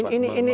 nah ini ini